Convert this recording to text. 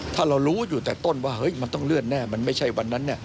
ถ้าเรารู้อยู่แต่ต้นว่าเฮ้ยมันต้องเลื่อนแน่มันไม่ใช่วันนั้น